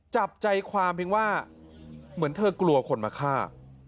จับใจความเพียงว่าเหมือนเธอกลัวคนมาฆ่า